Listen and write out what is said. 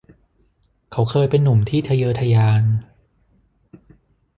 เขาเคยเป็นหนุ่มที่ทะเยอทะยาน